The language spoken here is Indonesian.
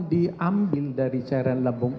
diambil dari cairan lambung